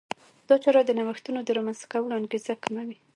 دا چاره د نوښتونو د رامنځته کولو انګېزه کموي.